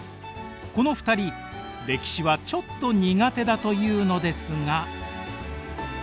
この２人歴史はちょっと苦手だというのですが。